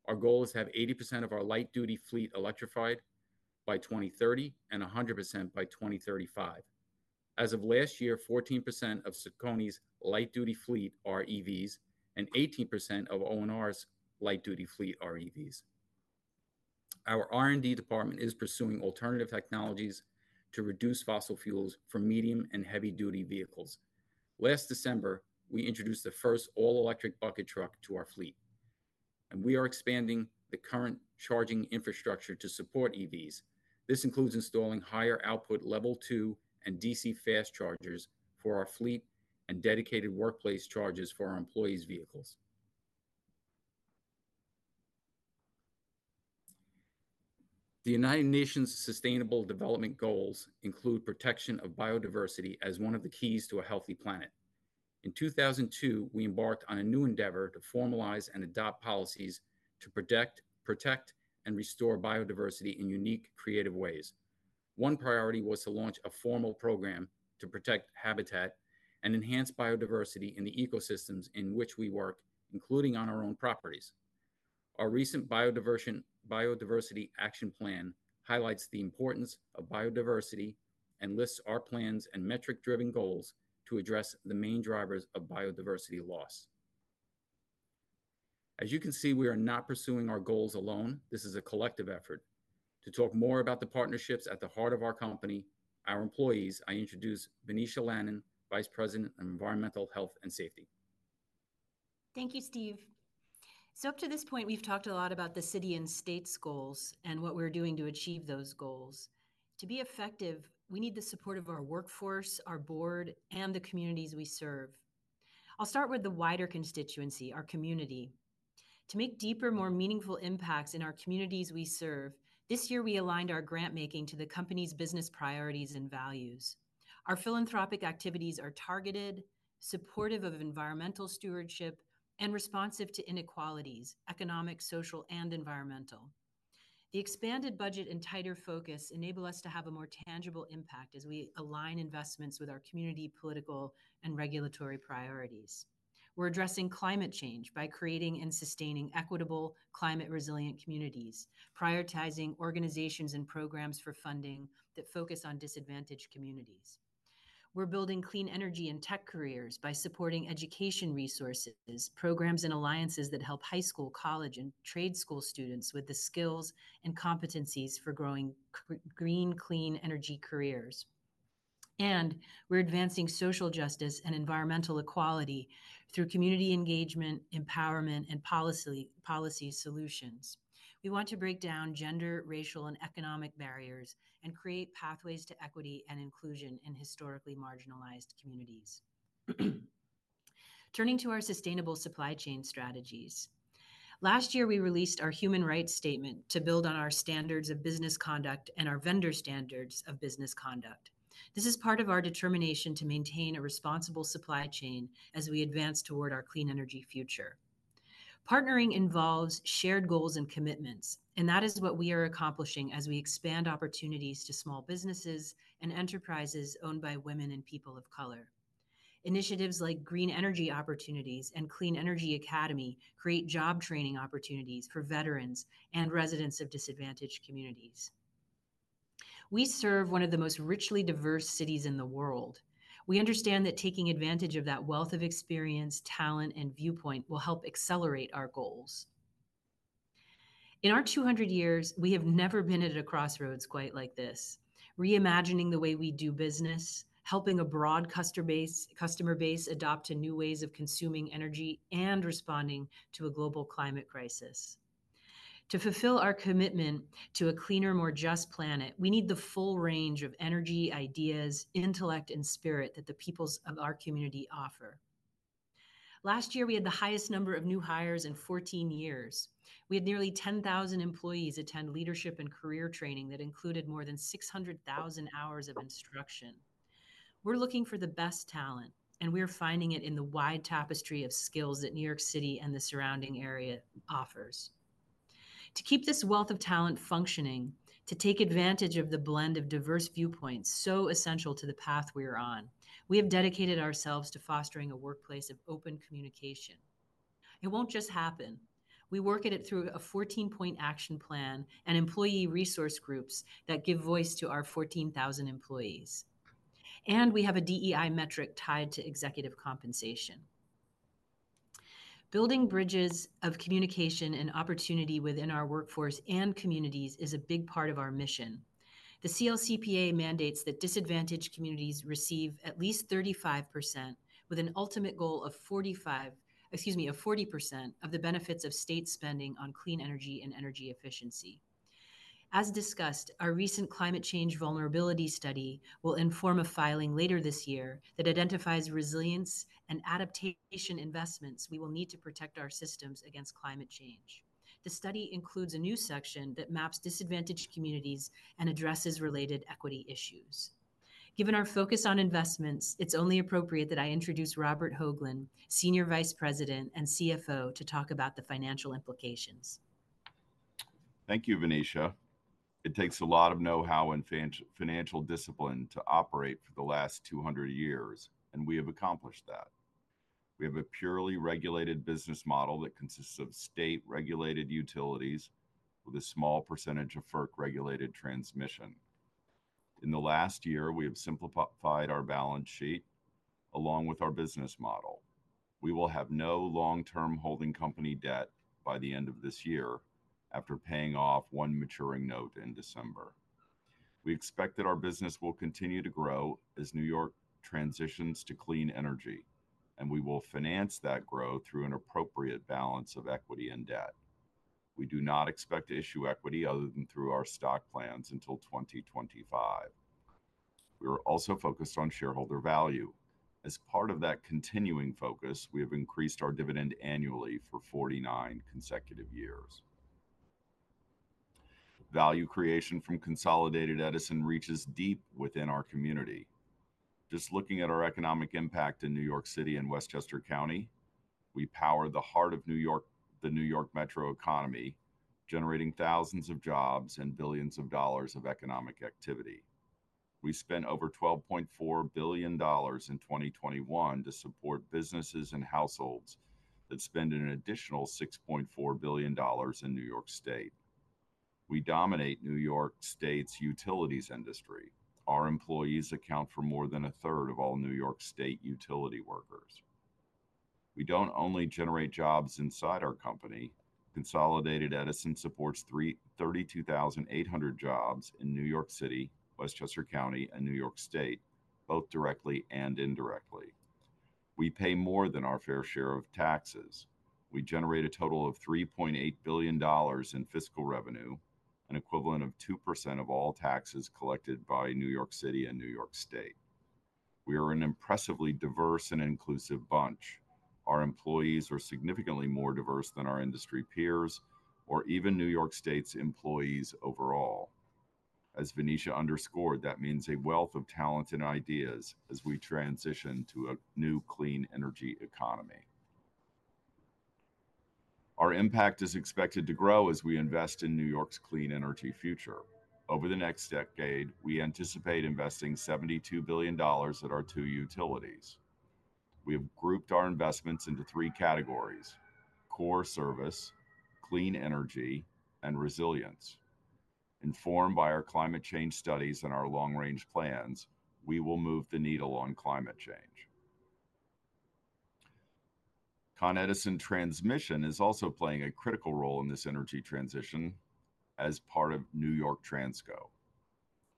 Speaker 8: Our goal is to have 80% of our light-duty fleet electrified by 2030 and 100% by 2035. As of last year, 14% of CECONY's light-duty fleet are EVs, and 18% of O&R's light-duty fleet are EVs. Our R&D department is pursuing alternative technologies to reduce fossil fuels for medium and heavy-duty vehicles. Last December, we introduced the first all-electric bucket truck to our fleet, and we are expanding the current charging infrastructure to support EVs. This includes installing higher output Level Two and DC fast chargers for our fleet and dedicated workplace chargers for our employees' vehicles. The United Nations Sustainable Development Goals include protection of biodiversity as one of the keys to a healthy planet. In 2002, we embarked on a new endeavor to formalize and adopt policies to protect and restore biodiversity in unique, creative ways. One priority was to launch a formal program to protect habitat and enhance biodiversity in the ecosystems in which we work, including on our own properties. Our recent Biodiversity Action Plan highlights the importance of biodiversity and lists our plans and metric-driven goals to address the main drivers of biodiversity loss. As you can see, we are not pursuing our goals alone. This is a collective effort. To talk more about the partnerships at the heart of our company, our employees, I introduce Venetia Lannon, Vice President of Environmental Health and Safety.
Speaker 9: Thank you, Steve. So up to this point, we've talked a lot about the city and state's goals and what we're doing to achieve those goals. To be effective, we need the support of our workforce, our board, and the communities we serve. I'll start with the wider constituency, our community. To make deeper, more meaningful impacts in our communities we serve, this year we aligned our grant making to the company's business priorities and values. Our philanthropic activities are targeted, supportive of environmental stewardship, and responsive to inequalities: economic, social, and environmental. The expanded budget and tighter focus enable us to have a more tangible impact as we align investments with our community, political, and regulatory priorities. We're addressing climate change by creating and sustaining equitable, climate-resilient communities, prioritizing organizations and programs for funding that focus on disadvantaged communities. We're building clean energy and tech careers by supporting education resources, programs, and alliances that help high school, college, and trade school students with the skills and competencies for growing green, clean energy careers. We're advancing social justice and environmental equality through community engagement, empowerment, and policy, policy solutions. We want to break down gender, racial, and economic barriers and create pathways to equity and inclusion in historically marginalized communities.... Turning to our sustainable supply chain strategies. Last year, we released our Human Rights Statement to build on our Standards of Business Conduct and our Vendor Standards of Business Conduct. This is part of our determination to maintain a responsible supply chain as we advance toward our clean energy future. Partnering involves shared goals and commitments, and that is what we are accomplishing as we expand opportunities to small businesses and enterprises owned by women and people of color. Initiatives like Green Energy Opportunities and Clean Energy Academy create job training opportunities for veterans and residents of disadvantaged communities. We serve one of the most richly diverse cities in the world. We understand that taking advantage of that wealth of experience, talent, and viewpoint will help accelerate our goals. In our 200 years, we have never been at a crossroads quite like this, reimagining the way we do business, helping a broad customer base adapt to new ways of consuming energy and responding to a global climate crisis. To fulfill our commitment to a cleaner, more just planet, we need the full range of energy, ideas, intellect, and spirit that the peoples of our community offer. Last year, we had the highest number of new hires in 14 years. We had nearly 10,000 employees attend leadership and career training that included more than 600,000 hours of instruction. We're looking for the best talent, and we are finding it in the wide tapestry of skills that New York City and the surrounding area offers. To keep this wealth of talent functioning, to take advantage of the blend of diverse viewpoints so essential to the path we are on, we have dedicated ourselves to fostering a workplace of open communication. It won't just happen. We work at it through a 14-Point Action Plan and employee resource groups that give voice to our 14,000 employees, and we have a DEI metric tied to executive compensation. Building bridges of communication and opportunity within our workforce and communities is a big part of our mission. The CLCPA mandates that disadvantaged communities receive at least 35%, with an ultimate goal of 45, excuse me, of 40% of the benefits of state spending on clean energy and energy efficiency. As discussed, our recent Climate Change Vulnerability Study will inform a filing later this year that identifies resilience and adaptation investments we will need to protect our systems against climate change. The study includes a new section that maps disadvantaged communities and addresses related equity issues. Given our focus on investments, it's only appropriate that I introduce Robert Hoglund, Senior Vice President and CFO, to talk about the financial implications.
Speaker 10: Thank you, Venetia. It takes a lot of know-how and financial discipline to operate for the last 200 years, and we have accomplished that. We have a purely regulated business model that consists of state-regulated utilities with a small percentage of FERC-regulated transmission. In the last year, we have simplified our balance sheet, along with our business model. We will have no long-term holding company debt by the end of this year, after paying off one maturing note in December. We expect that our business will continue to grow as New York transitions to clean energy, and we will finance that growth through an appropriate balance of equity and debt. We do not expect to issue equity other than through our stock plans until 2025. We are also focused on shareholder value. As part of that continuing focus, we have increased our dividend annually for 49 consecutive years. Value creation from Consolidated Edison reaches deep within our community. Just looking at our economic impact in New York City and Westchester County, we power the heart of New York, the New York Metro economy, generating thousands of jobs and billions of dollars of economic activity. We spent over $12.4 billion in 2021 to support businesses and households that spend an additional $6.4 billion in New York State. We dominate New York State's utilities industry. Our employees account for more than a third of all New York State utility workers. We don't only generate jobs inside our company. Consolidated Edison supports 332,800 jobs in New York City, Westchester County, and New York State, both directly and indirectly. We pay more than our fair share of taxes. We generate a total of $3.8 billion in fiscal revenue, an equivalent of 2% of all taxes collected by New York City and New York State. We are an impressively diverse and inclusive bunch. Our employees are significantly more diverse than our industry peers or even New York State's employees overall. As Venetia underscored, that means a wealth of talent and ideas as we transition to a new clean energy economy. Our impact is expected to grow as we invest in New York's clean energy future. Over the next decade, we anticipate investing $72 billion at our two utilities. We have grouped our investments into three categories: core service, clean energy, and resilience. Informed by our climate change studies and our long-range plans, we will move the needle on climate change. Con Edison Transmission is also playing a critical role in this energy transition as part of New York Transco.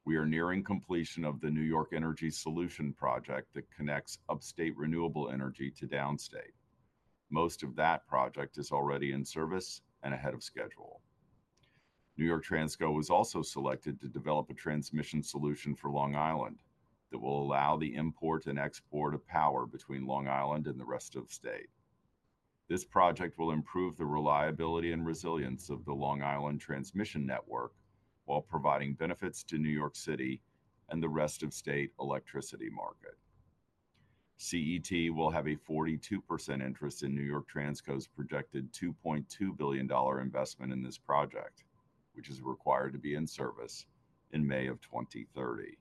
Speaker 10: We are nearing completion of the New York Energy Solution project that connects upstate renewable energy to downstate. Most of that project is already in service and ahead of schedule.... New York Transco was also selected to develop a transmission solution for Long Island, that will allow the import and export of power between Long Island and the rest of the state. This project will improve the reliability and resilience of the Long Island transmission network, while providing benefits to New York City and the rest of state electricity market. CET will have a 42% interest in New York Transco's projected $2.2 billion investment in this project, which is required to be in service in May 2030.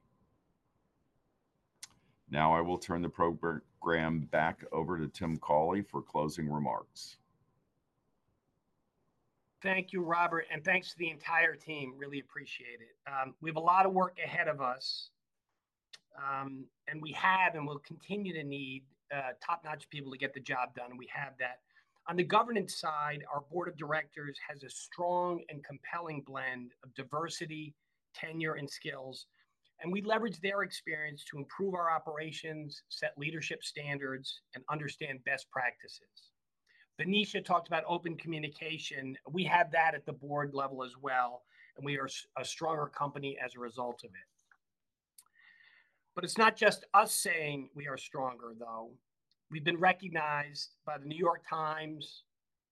Speaker 10: Now, I will turn the program back over to Tim Cawley for closing remarks.
Speaker 2: Thank you, Robert, and thanks to the entire team. Really appreciate it. We have a lot of work ahead of us, and we have and will continue to need top-notch people to get the job done, and we have that. On the governance side, our board of directors has a strong and compelling blend of diversity, tenure, and skills, and we leverage their experience to improve our operations, set leadership standards, and understand best practices. Venetia talked about open communication, we have that at the board level as well, and we are a stronger company as a result of it. But it's not just us saying we are stronger, though. We've been recognized by The New York Times,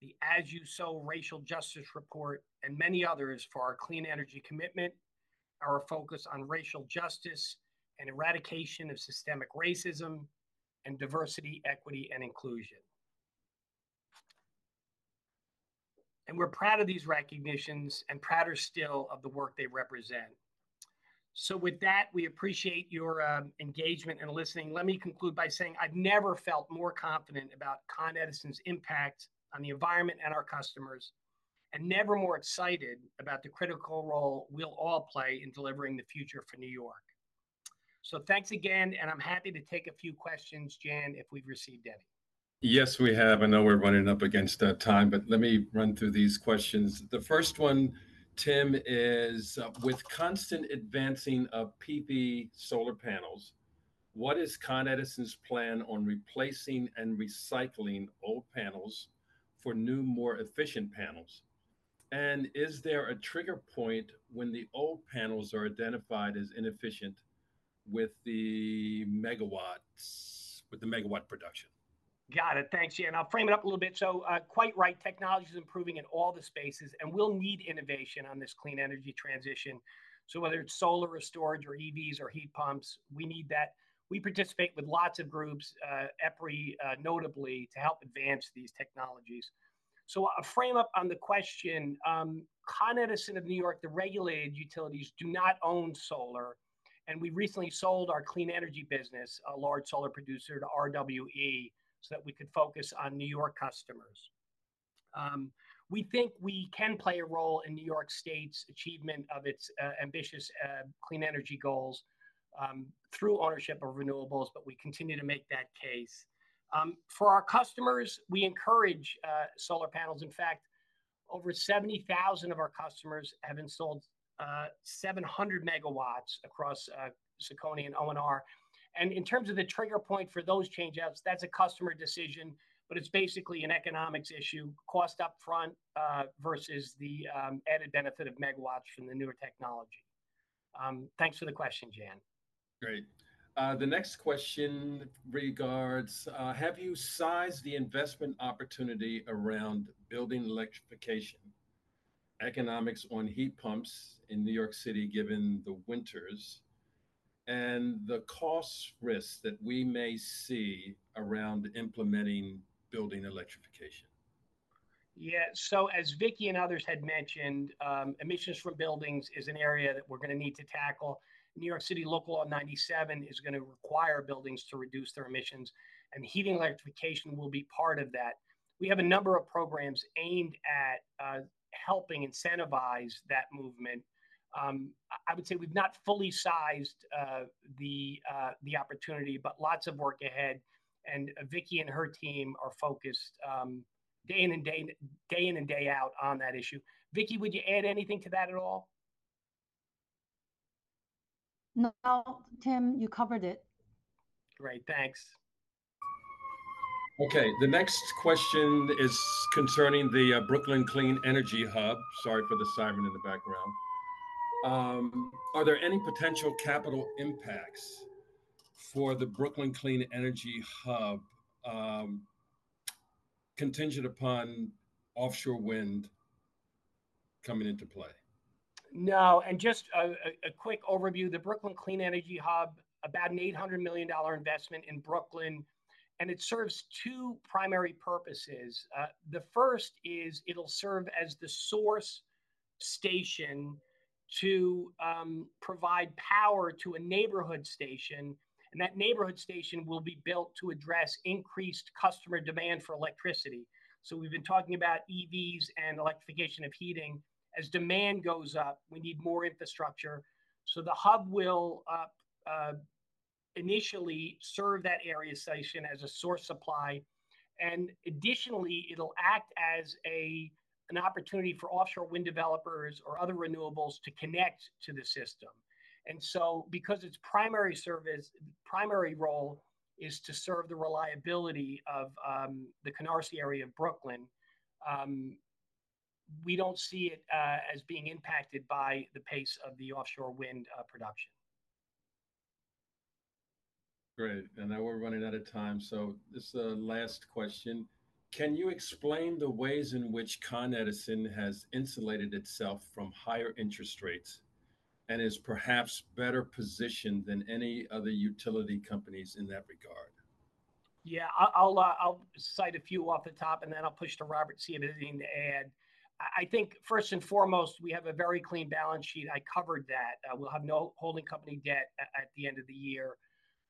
Speaker 2: the As You Sow Racial Justice Report, and many others, for our Clean Energy Commitment, our focus on racial justice and eradication of systemic racism, and diversity, equity, and inclusion. And we're proud of these recognitions, and prouder still of the work they represent. So with that, we appreciate your engagement and listening. Let me conclude by saying I've never felt more confident about Con Edison's impact on the environment and our customers, and never more excited about the critical role we'll all play in delivering the future for New York. So thanks again, and I'm happy to take a few questions, Jan, if we've received any.
Speaker 1: Yes, we have. I know we're running up against time, but let me run through these questions. The first one, Tim, is with constant advancing of PV solar panels, what is Con Edison's plan on replacing and recycling old panels for new, more efficient panels? And is there a trigger point when the old panels are identified as inefficient with the MW production?
Speaker 2: Got it. Thanks, Jan. I'll frame it up a little bit. So, quite right, technology's improving in all the spaces, and we'll need innovation on this clean energy transition. So whether it's solar or storage or EVs or heat pumps, we need that. We participate with lots of groups, EPRI, notably, to help advance these technologies. So a frame-up on the question, Con Edison of New York, the regulated utilities, do not own solar, and we recently sold our clean energy business, a large solar producer, to RWE, so that we could focus on New York customers. We think we can play a role in New York State's achievement of its ambitious clean energy goals, through ownership of renewables, but we continue to make that case. For our customers, we encourage solar panels. In fact, over 70,000 of our customers have installed 700 MW across CECONY and O&R. In terms of the trigger point for those change outs, that's a customer decision, but it's basically an economics issue, cost upfront versus the added benefit of MWs from the newer technology. Thanks for the question, Jan.
Speaker 1: Great. The next question regards, have you sized the investment opportunity around building electrification, economics on heat pumps in New York City, given the winters, and the cost risks that we may see around implementing building electrification?
Speaker 2: Yeah, so as Vicki and others had mentioned, emissions from buildings is an area that we're gonna need to tackle. New York City Local Law 97 is gonna require buildings to reduce their emissions, and heating electrification will be part of that. We have a number of programs aimed at helping incentivize that movement. I would say we've not fully sized the opportunity, but lots of work ahead, and Vicki and her team are focused day in and day out on that issue. Vicki, would you add anything to that at all?
Speaker 6: No, Tim, you covered it.
Speaker 2: Great, thanks.
Speaker 1: Okay, the next question is concerning the Brooklyn Clean Energy Hub. Sorry for the siren in the background. Are there any potential capital impacts for the Brooklyn Clean Energy Hub, contingent upon offshore wind coming into play?
Speaker 2: No, and just a quick overview, the Brooklyn Clean Energy Hub, about an $800 million investment in Brooklyn, and it serves two primary purposes. The first is it'll serve as the source station to provide power to a neighborhood station, and that neighborhood station will be built to address increased customer demand for electricity. So we've been talking about EVs and electrification of heating. As demand goes up, we need more infrastructure, so the hub will initially serve that area station as a source supply, and additionally, it'll act as an opportunity for offshore wind developers or other renewables to connect to the system. Because its primary role is to serve the reliability of the Canarsie area of Brooklyn, we don't see it as being impacted by the pace of the offshore wind production....
Speaker 1: Great, and now we're running out of time, so this is the last question: Can you explain the ways in which Con Edison has insulated itself from higher interest rates, and is perhaps better positioned than any other utility companies in that regard?
Speaker 2: Yeah, I'll cite a few off the top, and then I'll push to Robert to see if he has anything to add. I think, first and foremost, we have a very clean balance sheet. I covered that. We'll have no holding company debt at the end of the year.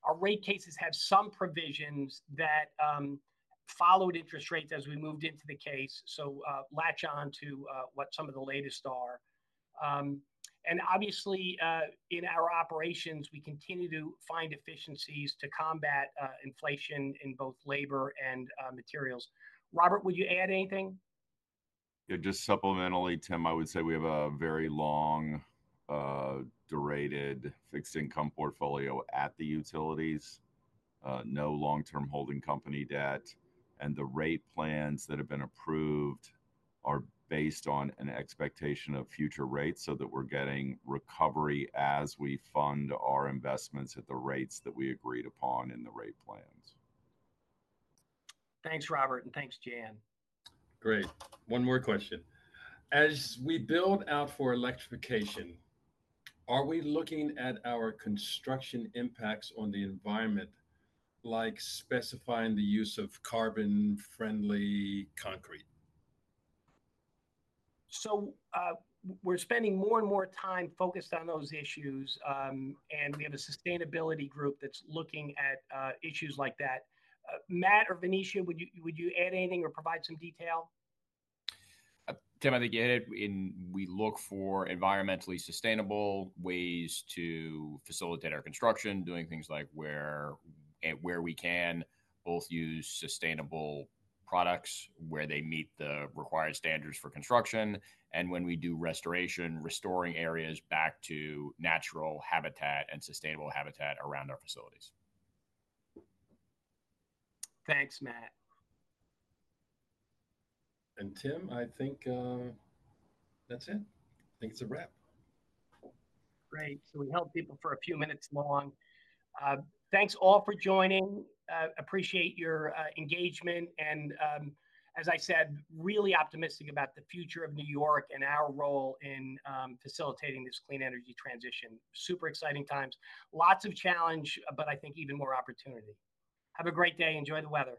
Speaker 2: Our rate cases have some provisions that followed interest rates as we moved into the case, so latch onto what some of the latest are. And obviously, in our operations, we continue to find efficiencies to combat inflation in both labor and materials. Robert, would you add anything?
Speaker 10: Yeah, just supplementally, Tim, I would say we have a very long duration fixed income portfolio at the utilities. No long-term holding company debt, and the rate plans that have been approved are based on an expectation of future rates, so that we're getting recovery as we fund our investments at the rates that we agreed upon in the rate plans.
Speaker 2: Thanks, Robert, and thanks, Jan.
Speaker 1: Great. One more question: As we build out for electrification, are we looking at our construction impacts on the environment, like specifying the use of carbon-friendly concrete?
Speaker 2: So, we're spending more and more time focused on those issues, and we have a sustainability group that's looking at issues like that. Matt or Venetia, would you add anything or provide some detail?
Speaker 4: Tim, I think you hit it, in we look for environmentally sustainable ways to facilitate our construction. Doing things like where we can, both use sustainable products, where they meet the required standards for construction, and when we do restoration, restoring areas back to natural habitat and sustainable habitat around our facilities.
Speaker 2: Thanks, Matt.
Speaker 1: Tim, I think, that's it. I think it's a wrap.
Speaker 2: Great, so we held people for a few minutes long. Thanks all for joining. Appreciate your engagement and, as I said, really optimistic about the future of New York and our role in facilitating this clean energy transition. Super exciting times. Lots of challenge, but I think even more opportunity. Have a great day. Enjoy the weather.